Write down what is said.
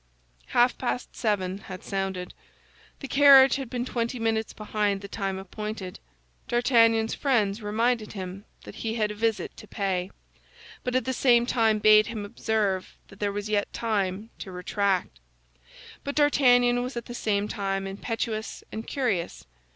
Half past seven had sounded. The carriage had been twenty minutes behind the time appointed. D'Artagnan's friends reminded him that he had a visit to pay, but at the same time bade him observe that there was yet time to retract. But D'Artagnan was at the same time impetuous and curious.